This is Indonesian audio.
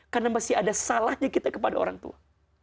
karena masih ada salahnya kita kepada orang tua